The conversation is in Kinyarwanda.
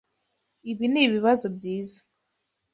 Ibi nibibazo byiza.